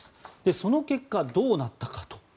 その結果、どうなったかと。